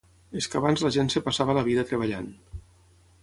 És que abans la gent es passava la vida treballant